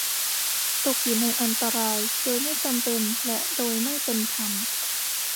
ตกอยู่ในอันตรายโดยไม่จำเป็นและโดยไม่เป็นธรรม